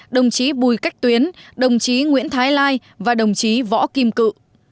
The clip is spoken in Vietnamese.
đồng chí bùi cách tuyến đồng chí nguyễn thái lai và đồng chí võ kim cự